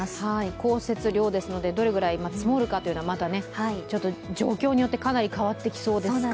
降雪量ですので、どれくらい積もるかというのは状況によって、かなり変わってきそうですか？